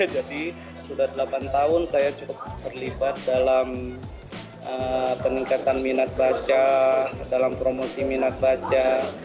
jadi sudah delapan tahun saya cukup terlibat dalam peningkatan minat baca dalam promosi minat baca